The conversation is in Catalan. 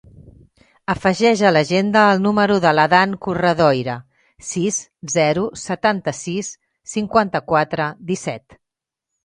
Afegeix a l'agenda el número de l'Adán Corredoira: sis, zero, setanta-sis, cinquanta-quatre, disset.